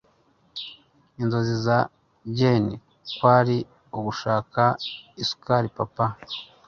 Inzozi za Jane kwari ugushaka isukari papa.